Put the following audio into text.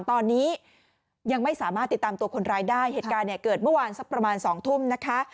ตอนนี้ยังไม่สามารถติดตามตัวคนร้ายได้เหตุการณ์เนี่ยเกิดเมื่อวานสักประมาณสองทุ่มนะคะ